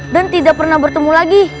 dan tidak pernah bertemu lagi